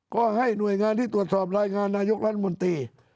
ก็ให้หน่วยงานที่ตรวจสอบรายงานนายกรัฐมนตรี